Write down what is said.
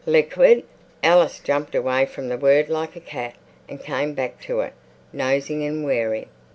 Liquid! Alice jumped away from the word like a cat and came back to it, nosing and wary.